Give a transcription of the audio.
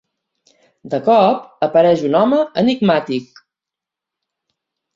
De cop, apareix un home enigmàtic.